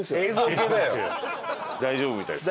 大丈夫みたいです。